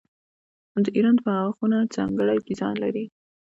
د ایران باغونه ځانګړی ډیزاین لري.